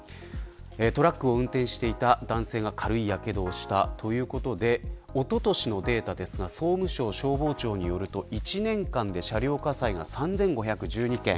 トラックを運転していた男性が軽いやけどをしたということでおととしのデータですが総務省消防庁によると１年間で車両火災が３５１２件。